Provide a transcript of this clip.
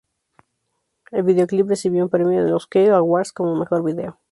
El videoclip recibió un premio en los Q Awards como mejor vídeo.